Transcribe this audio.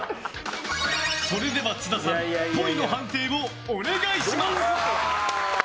それでは津田さんっぽいの判定をお願いします。